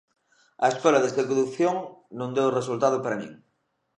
A Escola de Seducción non deu resultado para min.